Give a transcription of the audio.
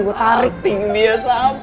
sarting dia sarting